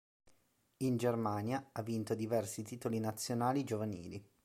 In Germania ha vinto diversi titoli nazionali giovanili.